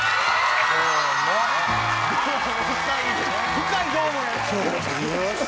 深い「どうも」や。